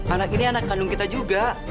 anak ini anak kandung kita juga